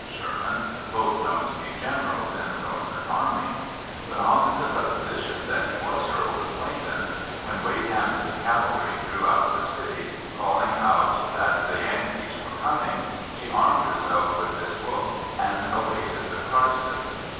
Sherman, both known to be generals in the Northern army; but, on the supposition that he was her old acquaintance, when Wade Hampton's cavalry drew out of the city, calling out that the Yankees were coming, she armed herself with this book, and awaited the crisis.